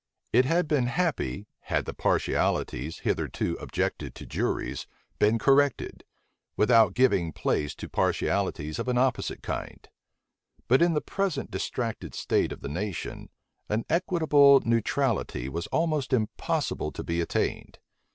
It had been happy, had the partialities, hitherto objected to juries, been corrected, without giving place to partialities of an opposite kind: but in the present distracted state of the nation, an equitable neutrality was almost impossible to be attained.